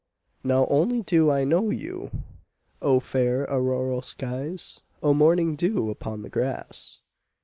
Now only do I know you, O fair auroral skies O morning dew upon the grass!